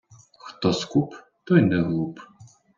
Хто скуп, той не глуп.